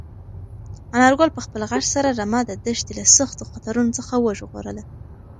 انارګل په خپل غږ سره رمه د دښتې له سختو خطرونو څخه وژغورله.